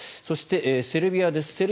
そして、セルビアです。